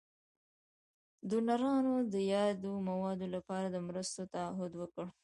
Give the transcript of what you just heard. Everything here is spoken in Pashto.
ډونرانو د یادو مواردو لپاره د مرستو تعهد وکړ.